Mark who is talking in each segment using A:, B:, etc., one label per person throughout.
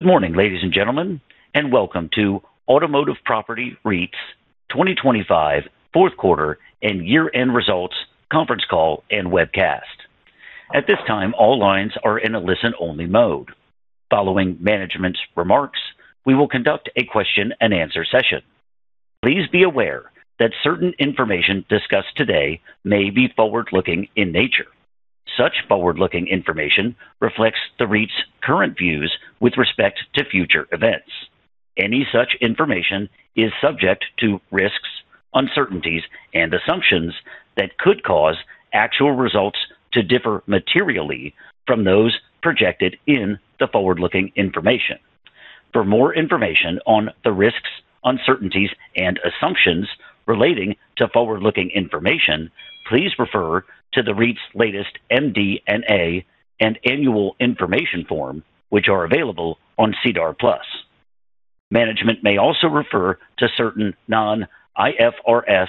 A: Good morning, ladies and gentlemen, welcome to Automotive Properties REIT's 2025 Fourth Quarter and Year-End Results Conference Call and Webcast. At this time, all lines are in a listen-only mode. Following management's remarks, we will conduct a question and answer session. Please be aware that certain information discussed today may be forward-looking in nature. Such forward-looking information reflects the REIT's current views with respect to future events. Any such information is subject to risks, uncertainties and assumptions that could cause actual results to differ materially from those projected in the forward-looking information. For more information on the risks, uncertainties and assumptions relating to forward-looking information, please refer to the REIT's latest MD&A and annual information form, which are available on SEDAR+. Management may also refer to certain non-IFRS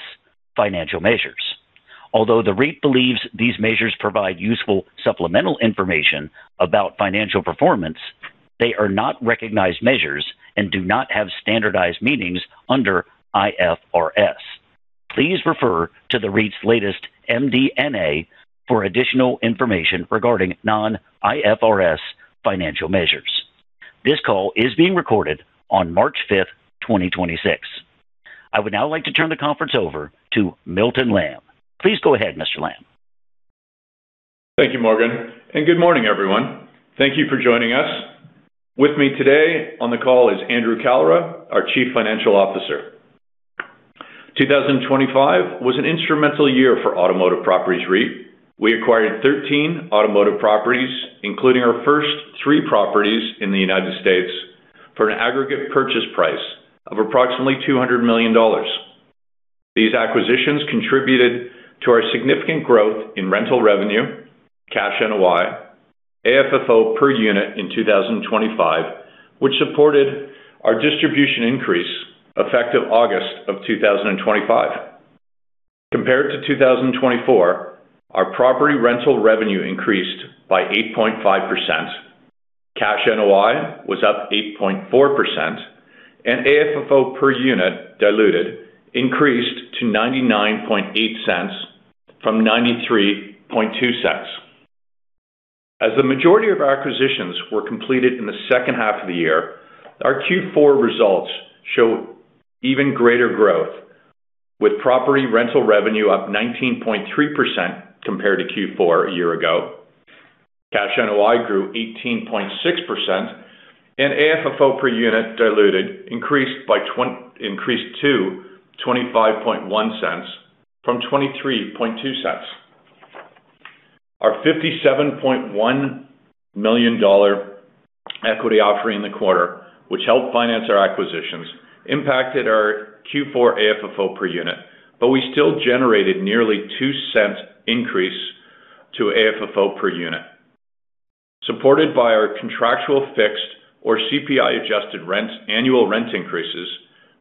A: financial measures. Although the REIT believes these measures provide useful supplemental information about financial performance, they are not recognized measures and do not have standardized meanings under IFRS. Please refer to the REIT's latest MD&A for additional information regarding non-IFRS financial measures. This call is being recorded on March 5th, 2026. I would now like to turn the conference over to Milton Lamb. Please go ahead, Mr. Lamb.
B: Thank you, Morgan, and good morning, everyone. Thank you for joining us. With me today on the call is Andrew Kalra, our Chief Financial Officer. 2025 was an instrumental year for Automotive Properties REIT. We acquired 13 automotive properties, including our first three properties in the United States, for an aggregate purchase price of approximately 200 million dollars. These acquisitions contributed to our significant growth in rental revenue, cash NOI, AFFO per unit in 2025, which supported our distribution increase effective August of 2025. Compared to 2024, our property rental revenue increased by 8.5%. Cash NOI was up 8.4%, and AFFO per unit diluted increased to 0.998 from 0.932. As the majority of our acquisitions were completed in the second half of the year, our Q4 results show even greater growth, with property rental revenue up 19.3% compared to Q4 a year ago. Cash NOI grew 18.6%, and AFFO per unit diluted increased to 0.251 from 0.232. Our 57.1 million dollar equity offering in the quarter, which helped finance our acquisitions, impacted our Q4 AFFO per unit, but we still generated nearly 0.02 increase to AFFO per unit. Supported by our contractual fixed or CPI adjusted rents annual rent increases,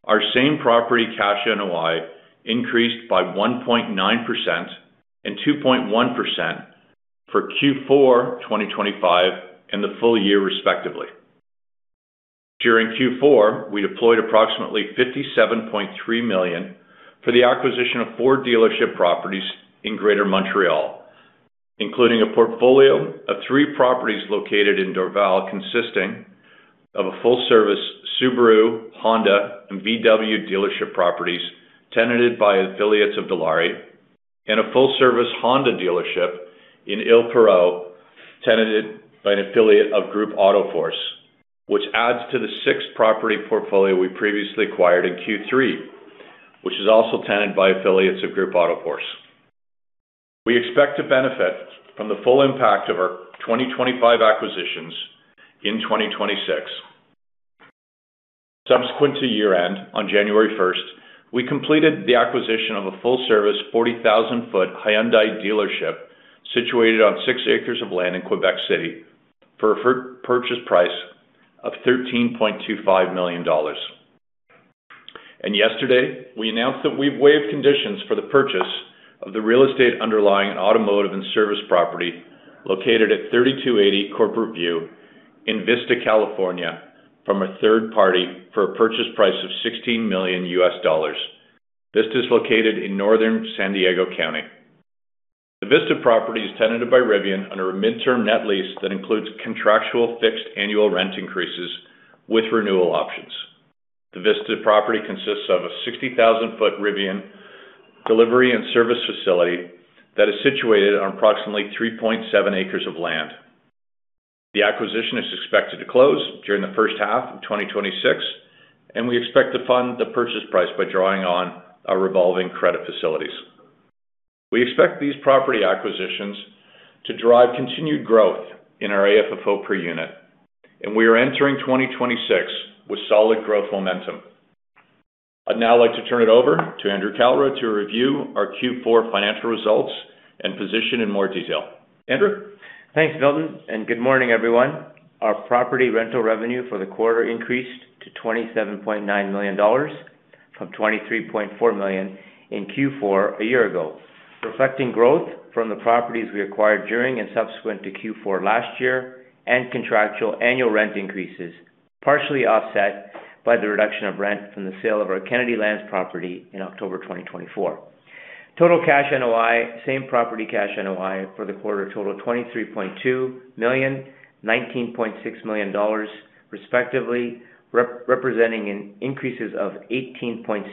B: our same property cash NOI increased by 1.9% and 2.1% for Q4 2025 and the full year respectively. During Q4, we deployed approximately 57.3 million for the acquisition of four dealership properties in Greater Montreal, including a portfolio of three properties located in Dorval, consisting of a full service Subaru, Honda and VW dealership properties tenanted by affiliates of Dilawri, and a full service Honda dealership in Île-Perrot, tenanted by an affiliate of Groupe AutoForce, which adds to the six property portfolio we previously acquired in Q3, which is also tenanted by affiliates of Groupe AutoForce. We expect to benefit from the full impact of our 2025 acquisitions in 2026. Subsequent to year-end on January 1st, we completed the acquisition of a full service 40,000 sq ft Hyundai dealership situated on 6 acres of land in Quebec City for a purchase price of 13.25 million dollars. Yesterday, we announced that we've waived conditions for the purchase of the real estate underlying automotive and service property located at 328 Corporate View in Vista, California from a third party for a purchase price of $16 million. This is located in northern San Diego County. The Vista property is tenanted by Rivian under a midterm net lease that includes contractual fixed annual rent increases with renewal options. The Vista property consists of a 60,000 sq ft Rivian delivery and service facility that is situated on approximately 3.7 acres of land. The acquisition is expected to close during the first half of 2026, and we expect to fund the purchase price by drawing on our revolving credit facilities. We expect these property acquisitions to drive continued growth in our AFFO per unit, and we are entering 2026 with solid growth momentum. I'd now like to turn it over to Andrew Kalra to review our Q4 financial results and position in more detail. Andrew.
C: Thanks, Milton. Good morning, everyone. Our property rental revenue for the quarter increased to 27.9 million dollars, from 23.4 million in Q4 a year ago, reflecting growth from the properties we acquired during and subsequent to Q4 last year and contractual annual rent increases, partially offset by the reduction of rent from the sale of our Kennedy Lands property in October 2024. Total cash NOI, same property cash NOI for the quarter totaled 23.2 million, 19.6 million dollars, respectively, representing an increases of 18.6%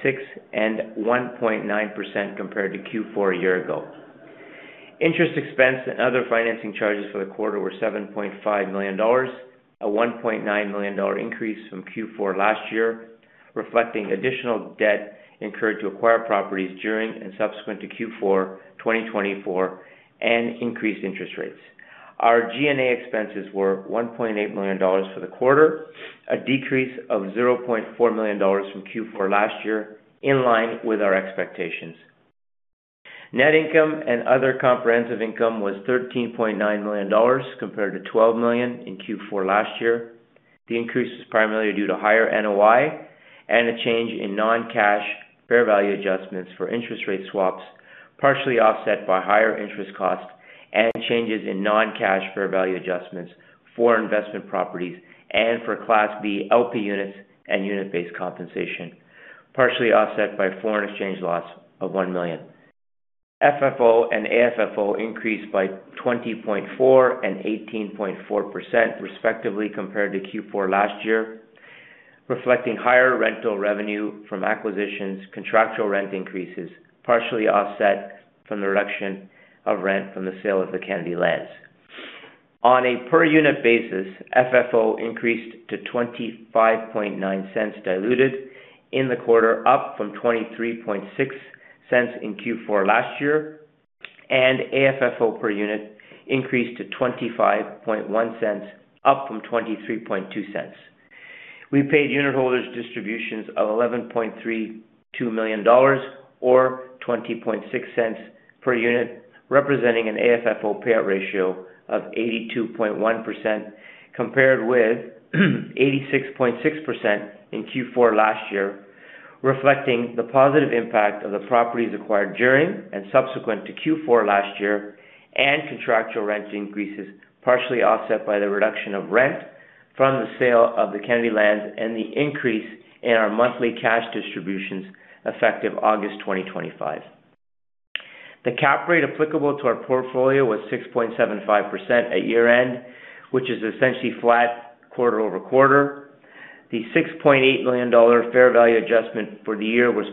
C: and 1.9% compared to Q4 a year ago. Interest expense and other financing charges for the quarter were 7.5 million dollars, a 1.9 million dollar increase from Q4 last year, reflecting additional debt incurred to acquire properties during and subsequent to Q4 2024, and increased interest rates. Our G&A expenses were 1.8 million dollars for the quarter, a decrease of 0.4 million dollars from Q4 last year, in line with our expectations. Net income and other comprehensive income was 13.9 million dollars compared to 12 million in Q4 last year. The increase was primarily due to higher NOI and a change in non-cash fair value adjustments for interest rate swaps, partially offset by higher interest costs and changes in non-cash fair value adjustments for investment properties and for Class B LP units and unit-based compensation, partially offset by foreign exchange loss of 1 million. FFO and AFFO increased by 20.4% and 18.4% respectively compared to Q4 last year, reflecting higher rental revenue from acquisitions, contractual rent increases, partially offset from the reduction of rent from the sale of the Kennedy Lands. On a per unit basis, FFO increased to 0.259 diluted in the quarter, up from 0.236 in Q4 last year, and AFFO per unit increased to 0.251, up from 0.232. We paid unitholders distributions of 11.32 million dollars or 0.206 per unit, representing an AFFO payout ratio of 82.1% compared with 86.6% in Q4 last year, reflecting the positive impact of the properties acquired during and subsequent to Q4 last year and contractual rent increases, partially offset by the reduction of rent from the sale of the Kennedy Lands and the increase in our monthly cash distributions effective August 2025. The cap rate applicable to our portfolio was 6.75% at year-end, which is essentially flat quarter-over-quarter. The 6.8 million dollar fair value adjustment for the year was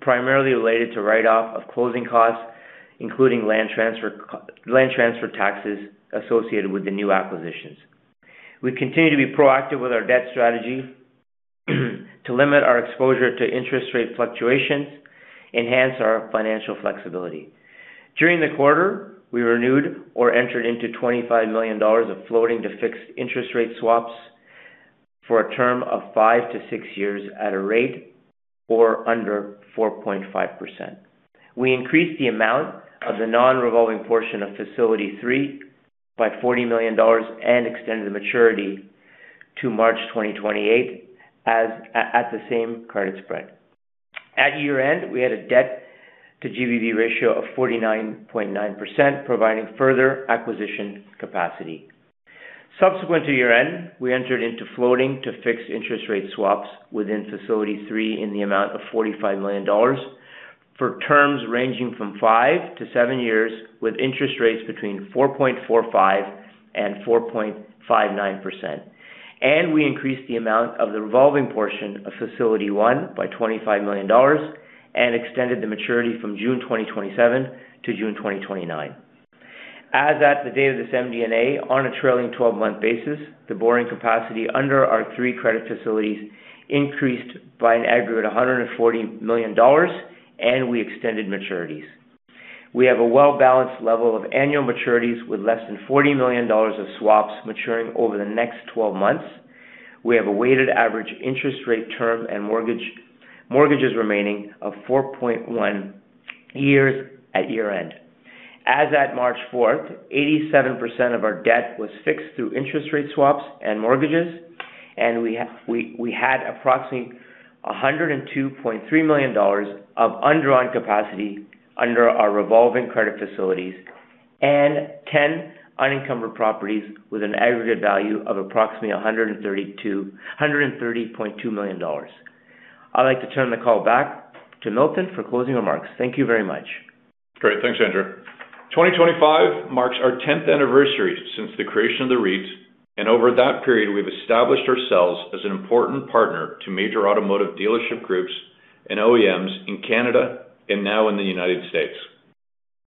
C: primarily related to write-off of closing costs, including land transfer taxes associated with the new acquisitions. We continue to be proactive with our debt strategy to limit our exposure to interest rate fluctuations, enhance our financial flexibility. During the quarter, we renewed or entered into 25 million dollars of floating to fixed interest rate swaps for a term of five to six years at a rate or under 4.5%. We increased the amount of the non-revolving portion of Facility 3 by 40 million dollars and extended the maturity to March 2028 at the same credit spread. At year-end, we had a debt to GBV ratio of 49.9%, providing further acquisition capacity. Subsequent to year-end, we entered into floating to fixed interest rate swaps within Facility 3 in the amount of 45 million dollars for terms ranging from five to seven years, with interest rates between 4.45% and 4.59%. We increased the amount of the revolving portion of Facility 1 by 25 million dollars and extended the maturity from June 2027 to June 2029. As at the date of this MD&A on a trailing 12-month basis, the borrowing capacity under our three credit facilities increased by an aggregate 140 million dollars, and we extended maturities. We have a well-balanced level of annual maturities with less than 40 million dollars of swaps maturing over the next 12 months. We have a weighted average interest rate term and mortgages remaining of 4.1 years at year-end. As at March 4th, 87% of our debt was fixed through interest rate swaps and mortgages. We had approximately 102.3 million dollars of undrawn capacity under our revolving credit facilities and 10 unencumbered properties with an aggregate value of approximately 130.2 million dollars. I'd like to turn the call back to Milton for closing remarks. Thank you very much.
B: Great. Thanks, Andrew. 2025 marks our 10th anniversary since the creation of the REITs. Over that period, we've established ourselves as an important partner to major automotive dealership groups and OEMs in Canada and now in the United States.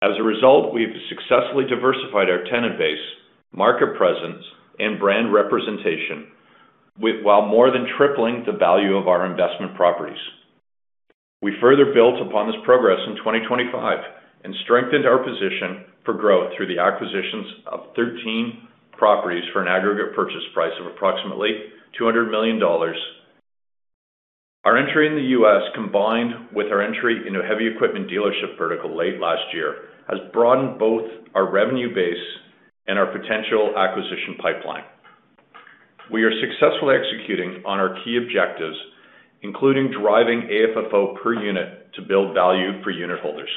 B: As a result, we've successfully diversified our tenant base, market presence, and brand representation while more than tripling the value of our investment properties. We further built upon this progress in 2025 and strengthened our position for growth through the acquisitions of 13 properties for an aggregate purchase price of approximately 200 million dollars. Our entry in the U.S., combined with our entry into heavy equipment dealership vertical late last year, has broadened both our revenue base and our potential acquisition pipeline. We are successfully executing on our key objectives, including driving AFFO per unit to build value for unitholders.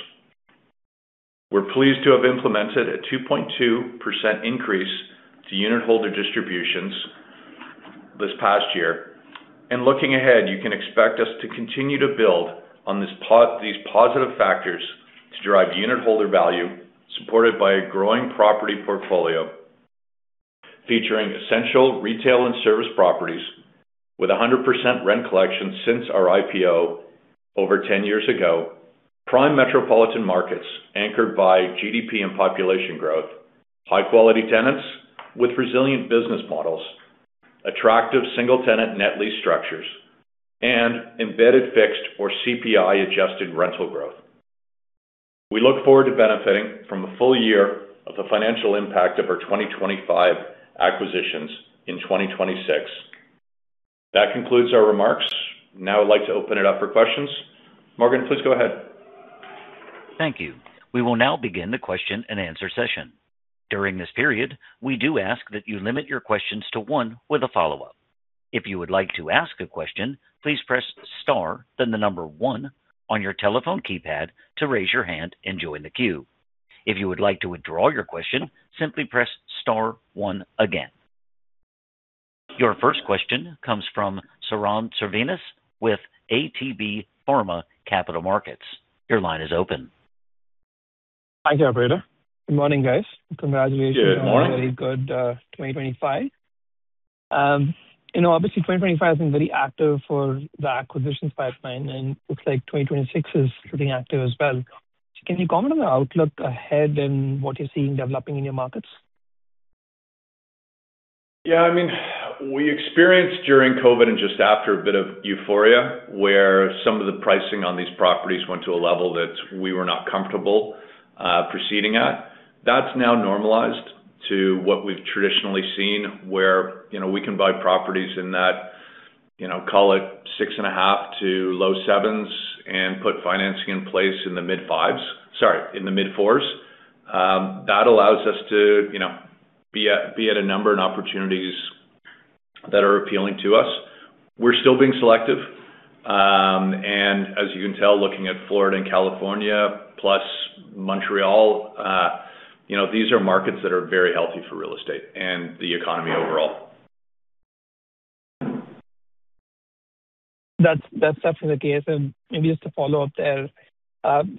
B: We're pleased to have implemented a 2.2% increase to unitholder distributions this past year. Looking ahead, you can expect us to continue to build on these positive factors to drive unitholder value, supported by a growing property portfolio featuring essential retail and service properties with 100% rent collection since our IPO over 10 years ago. Prime metropolitan markets anchored by GDP and population growth, high quality tenants with resilient business models, attractive single tenant net lease structures, and embedded fixed or CPI-adjusted rental growth. We look forward to benefiting from a full year of the financial impact of our 2025 acquisitions in 2026. That concludes our remarks. I'd like to open it up for questions. Morgan, please go ahead.
A: Thank you. We will now begin the question and answer session. During this period, we do ask that you limit your questions to one with a follow-up. If you would like to ask a question, please press star then the number one on your telephone keypad to raise your hand and join the queue. If you would like to withdraw your question, simply press star one again. Your first question comes from Sairam Srinivas with ATB Pharma Capital Markets. Your line is open.
D: Thank you, operator. Good morning, guys. Congratulations-
B: Good morning.
D: On a very good, 2025. You know, obviously 2025 has been very active for the acquisitions pipeline, and looks like 2026 is looking active as well. Can you comment on the outlook ahead and what you're seeing developing in your markets?
B: Yeah, I mean, we experienced during COVID and just after, a bit of euphoria, where some of the pricing on these properties went to a level that we were not comfortable, proceeding at. That's now normalized to what we've traditionally seen where, you know, we can buy properties in that, you know, call it 6.5% to low 7% and put financing in place in the mid 5%. Sorry, in the mid 4%. That allows us to, you know, be at, be at a number and opportunities that are appealing to us. We're still being selective, as you can tell, looking at Florida and California plus Montreal, you know, these are markets that are very healthy for real estate and the economy overall.
D: That's definitely the case. Maybe just to follow up there,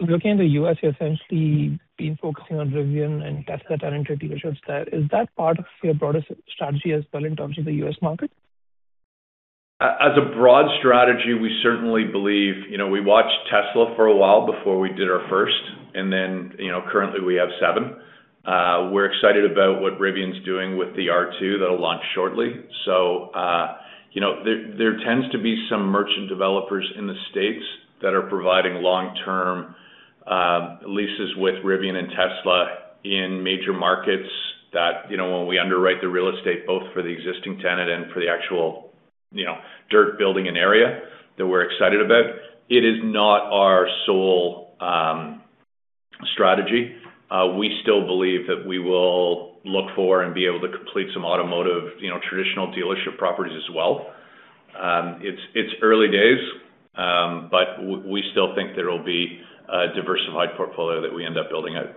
D: looking in the U.S., you've essentially been focusing on Rivian and Tesla tenant dealerships there. Is that part of your broader strategy as well in terms of the U.S. market?
B: As a broad strategy, we certainly believe. You know, we watched Tesla for a while before we did our first and then, you know, currently we have seven. We're excited about what Rivian's doing with the R2 that'll launch shortly. You know, there tends to be some merchant developers in the States that are providing long-term leases with Rivian and Tesla in major markets that, you know, when we underwrite the real estate, both for the existing tenant and for the actual, you know, dirt building an area that we're excited about. It is not our sole strategy. We still believe that we will look for and be able to complete some automotive, you know, traditional dealership properties as well. It's early days, but we still think there will be a diversified portfolio that we end up building out.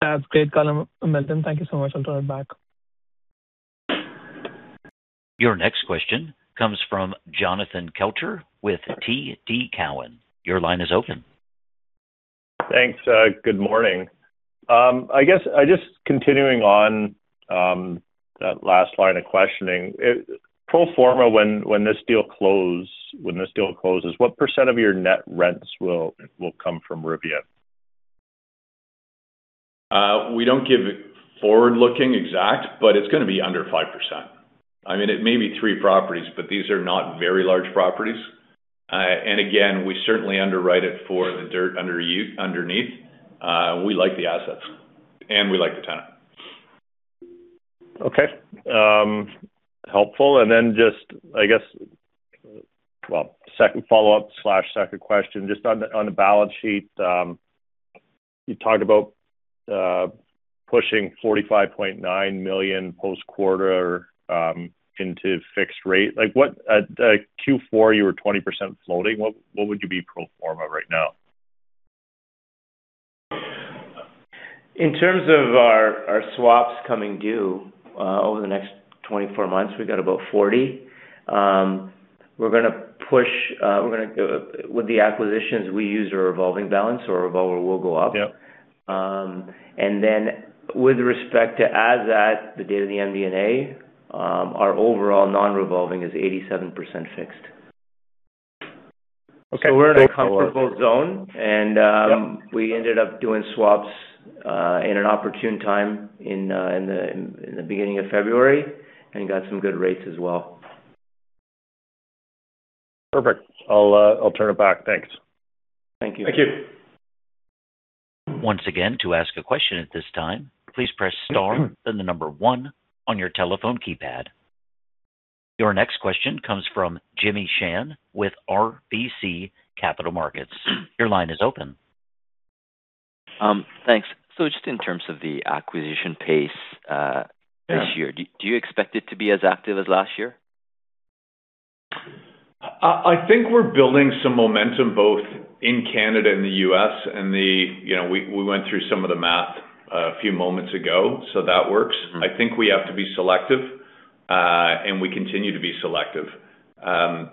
D: That's great color, Milton, thank you so much. I'll turn it back.
A: Your next question comes from Jonathan Kelcher with TD Cowen. Your line is open.
E: Thanks. Good morning. I guess, just continuing on that last line of questioning. Pro forma, when this deal closes, what % of your net rents will come from Rivian?
B: We don't give forward-looking exact. It's gonna be under 5%. I mean, it may be three properties, but these are not very large properties. Again, we certainly underwrite it for the dirt underneath. We like the assets and we like the tenant.
E: Okay. Helpful. Well, second follow-up/second question. Just on the balance sheet, you talked about pushing 45.9 million post-quarter into fixed rate. Like, what Q4, you were 20% floating. What would you be pro forma right now?
C: In terms of our swaps coming due, over the next 24 months, we got about 40. With the acquisitions, we use a revolving balance. Our revolver will go up.
E: Yep.
C: With respect to as at the date of the MD&A, our overall non-revolving is 87% fixed.
E: Okay. Thanks a lot.
C: we're in a comfortable zone and.
E: Yep.
C: We ended up doing swaps, in an opportune time in the beginning of February and got some good rates as well.
E: Perfect. I'll turn it back. Thanks.
C: Thank you.
B: Thank you.
A: Once again, to ask a question at this time, please press star then the number one on your telephone keypad. Your next question comes from Jimmy Shan with RBC Capital Markets. Your line is open.
F: Thanks. Just in terms of the acquisition pace, this year, do you expect it to be as active as last year?
B: I think we're building some momentum both in Canada and the U.S. You know, we went through some of the math a few moments ago. That works. I think we have to be selective, and we continue to be selective. For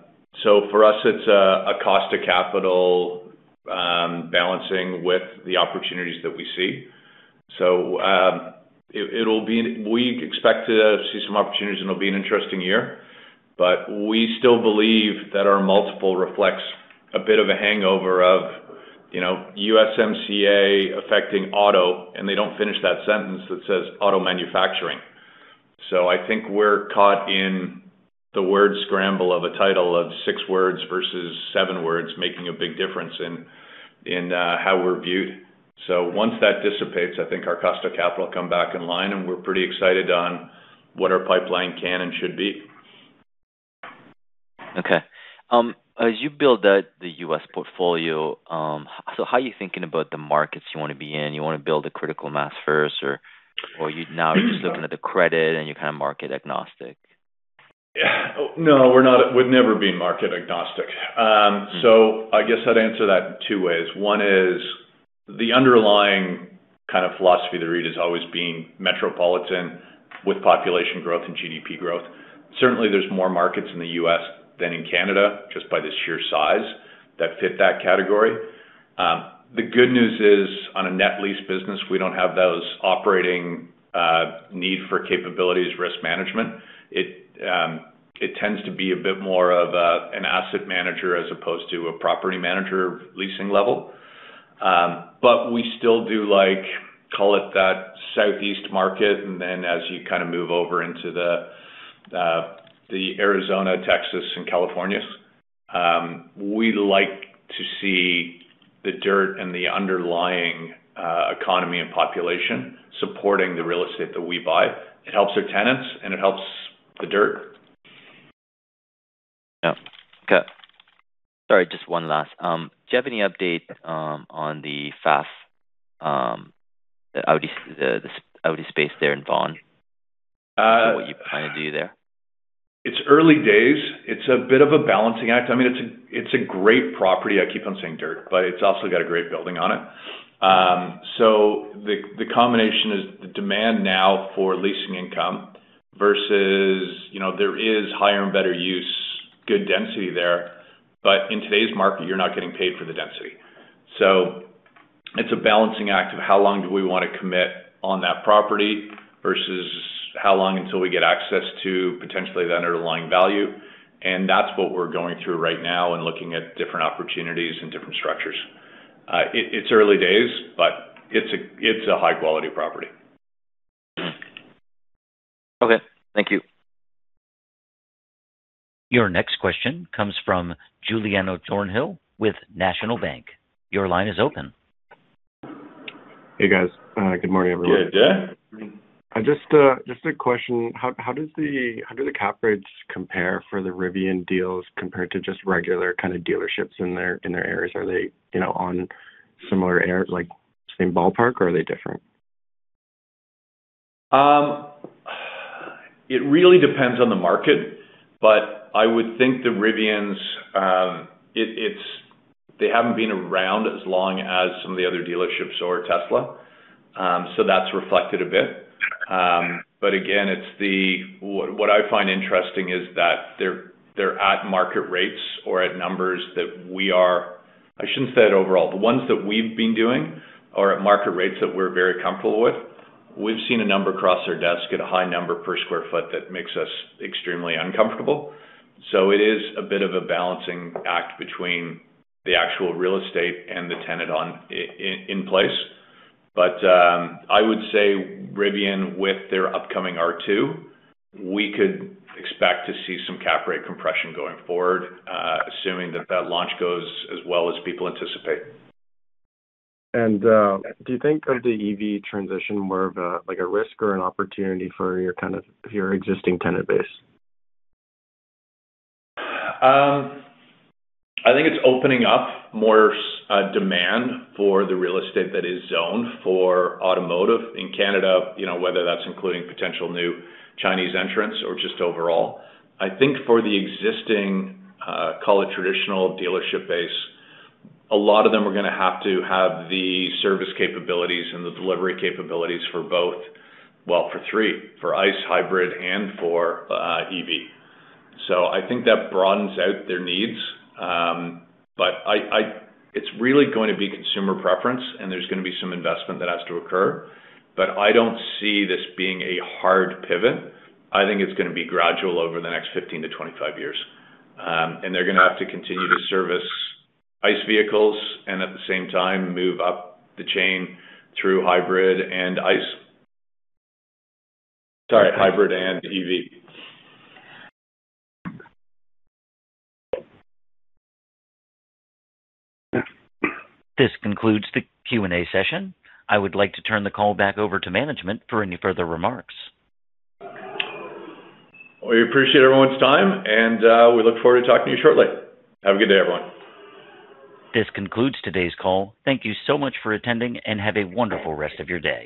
B: us, it's a cost to capital, balancing with the opportunities that we see. We expect to see some opportunities, and it'll be an interesting year. We still believe that our multiple reflects a bit of a hangover of, you know, USMCA affecting auto, and they don't finish that sentence that says auto manufacturing. I think we're caught in the word scramble of a title of six words versus seven words making a big difference in how we're viewed. Once that dissipates, I think our cost of capital will come back in line, and we're pretty excited on what our pipeline can and should be.
F: Okay. As you build out the U.S. portfolio, how are you thinking about the markets you wanna be in? You wanna build a critical mass first or you now just looking at the credit and you're kind of market agnostic?
B: No, we've never been market agnostic. I guess I'd answer that two ways. One is the underlying kind of philosophy of the REIT has always been metropolitan with population growth and GDP growth. Certainly, there's more markets in the U.S. than in Canada, just by the sheer size that fit that category. The good news is, on a net lease business, we don't have those operating need for capabilities risk management. It tends to be a bit more of an asset manager as opposed to a property manager leasing level. We still do like, call it that Southeast market, and then as you kind of move over into the Arizona, Texas and California. We like to see the dirt and the underlying economy and population supporting the real estate that we buy. It helps our tenants, and it helps the dirt.
F: Yeah. Okay. Sorry, just one last. Do you have any update on the Pfaff, the Audi space there in Vaughan? What you plan to do there?
B: It's early days. It's a bit of a balancing act. I mean, it's a great property. I keep on saying dirt, but it's also got a great building on it. The combination is the demand now for leasing income versus, you know, there is higher and better use, good density there. In today's market, you're not getting paid for the density. It's a balancing act of how long do we want to commit on that property versus how long until we get access to potentially that underlying value. That's what we're going through right now and looking at different opportunities and different structures. It's early days, it's a high quality property.
F: Mm-hmm. Okay. Thank you.
A: Your next question comes from Giuliano Thornhill with National Bank. Your line is open.
G: Hey, guys. Good morning, everyone.
B: Good day.
G: Just a question. How do the cap rates compare for the Rivian deals compared to just regular kind of dealerships in their areas? Are they, you know, like, same ballpark or are they different?
B: It really depends on the market, but I would think the Rivians, they haven't been around as long as some of the other dealerships or Tesla, so that's reflected a bit. Again, what I find interesting is that they're at market rates or at numbers that I shouldn't say it overall. The ones that we've been doing are at market rates that we're very comfortable with. We've seen a number cross our desk at a high number per sq ft that makes us extremely uncomfortable. It is a bit of a balancing act between the actual real estate and the tenant in place. I would say Rivian, with their upcoming R2, we could expect to see some cap rate compression going forward, assuming that that launch goes as well as people anticipate.
G: Do you think of the EV transition more of a, like a risk or an opportunity for your tenant, for your existing tenant base?
B: I think it's opening up more demand for the real estate that is zoned for automotive in Canada, you know, whether that's including potential new Chinese entrants or just overall. I think for the existing, call it traditional dealership base, a lot of them are gonna have to have the service capabilities and the delivery capabilities for both. Well, for three, for ICE hybrid and for EV. I think that broadens out their needs. It's really going to be consumer preference, and there's gonna be some investment that has to occur. I don't see this being a hard pivot. I think it's gonna be gradual over the next 15 to 25 years. They're gonna have to continue to service ICE vehicles and at the same time move up the chain through hybrid and ICE. Sorry, hybrid and EV.
A: This concludes the Q&A session. I would like to turn the call back over to management for any further remarks.
B: We appreciate everyone's time, and, we look forward to talking to you shortly. Have a good day, everyone.
A: This concludes today's call. Thank you so much for attending, and have a wonderful rest of your day.